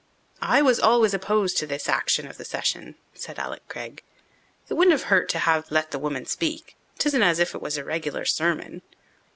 "I was always opposed to this action of the session," said Alec Craig. "It wouldn't have hurt to have let the woman speak. 'Tisn't as if it was a regular sermon."